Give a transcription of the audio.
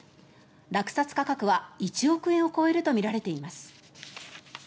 落札価格は１億円を超えるとみられています。